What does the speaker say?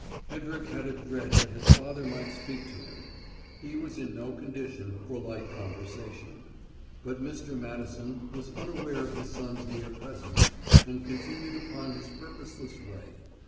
Hedrick had a dread that his father might speak to him; he was in no condition for light conversation. But Mr. Madison was unaware of his son's near presence, and continued upon his purposeless way.